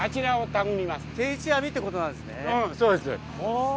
そうです。